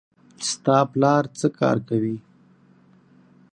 ستا پلار څه کار کوي